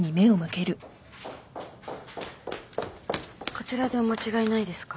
こちらでお間違いないですか？